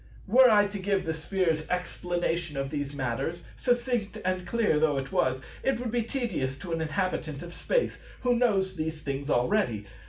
Were I to give the Sphere's explanation of these matters, succinct and clear though it was, it would be tedious to an inhabitant of Space, who knows these things already.